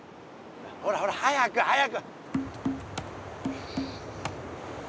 ほらほら早く早く！